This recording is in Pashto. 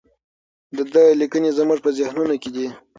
د ده لیکنې زموږ په ذهنونو کې دي.